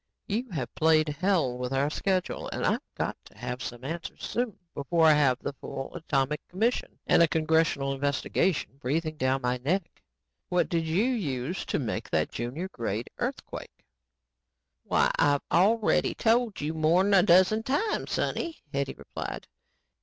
"You have played hell with our schedule and I've got to have the answers soon before I have the full atomic commission and a congressional investigation breathing down my neck. "What did you use to make that junior grade earthquake?" "Why, I've already told you more'n a dozen times, sonny," Hetty replied.